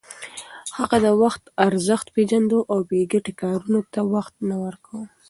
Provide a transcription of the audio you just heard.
هغه د وخت ارزښت پېژانده او بې ګټې کارونو ته وخت نه ورکاوه.